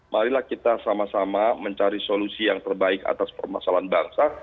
marilah kita sama sama mencari solusi yang terbaik atas permasalahan bangsa